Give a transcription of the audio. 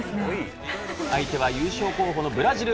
相手は優勝候補のブラジル。